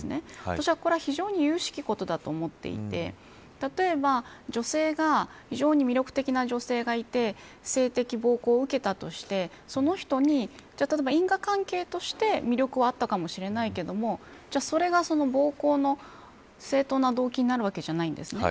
私はこれは非常にゆゆしきことだと思っていて例えば非常に魅力的な女性がいて性的暴行を受けたとしてその人に因果関係として魅力はあったかもしれないけどもじゃあそれが、その暴行の正当な動機になるわけではないんですね。